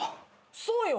そうよ